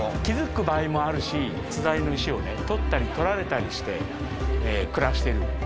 気付く場合もあるし巣材の石を取ったり取られたりして暮らしてる。